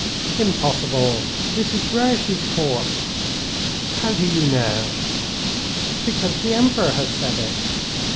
"Impossible; this is Grouchy's corps." "How do you know?" "Because the Emperor has said it."